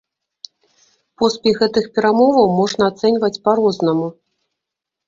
Поспех гэтых перамоваў можна ацэньваць па-рознаму.